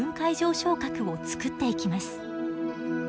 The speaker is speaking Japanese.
床核を作っていきます。